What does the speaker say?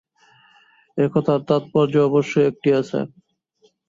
এ-কথার তাৎপর্য অবশ্যই একটি আছে।